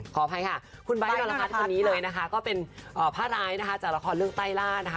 ขออภัยคุณแบตหน่อละพัฒน์คนนี้ก็เป็นพระรายจากละครเรื่องต้ายราช